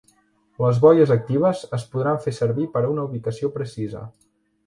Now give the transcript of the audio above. Les boies actives es podran fer servir per a una ubicació precisa.